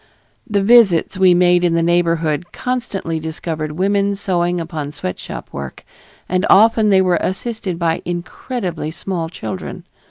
The visits we made in the neighborhood constantly discovered women sewing upon sweatshop work, and often they were assisted by incredibly small children.